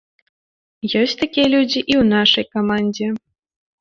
Ёсць такія людзі і ў нашай камандзе.